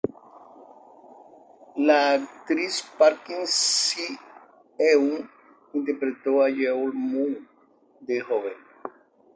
La actriz Park Si-eun interpretó a Yeol-mu de joven.